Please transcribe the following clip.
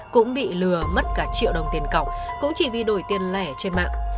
cũng bị lừa mất cả triệu đồng tiền cọc cũng chỉ vì đổi tiền lẻ trên mạng